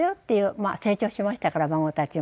まあ成長しましたから孫たちも。